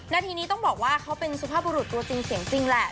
นาทีนี้ต้องบอกว่าเขาเป็นสุภาพบุรุษตัวจริงเสียงจริงแหละ